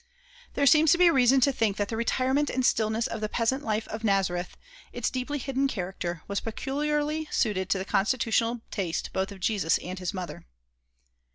There seems to be reason to think that the retirement and stillness of the peasant life in Nazareth, its deeply hidden character, was peculiarly suited to the constitutional taste both of Jesus and his mother.